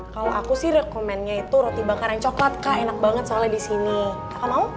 kalau aku sih rekomennya itu roti bakaran coklat kak enak banget soalnya di sini kakak mau